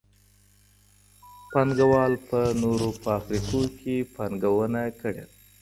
پانګوالو په نوو فابريکو کي پانګونه کړي ده.